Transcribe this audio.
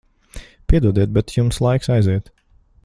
Piedodiet, bet jums laiks aiziet.